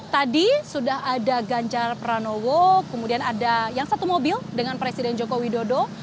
tadi sudah ada ganjar pranowo kemudian ada yang satu mobil dengan presiden joko widodo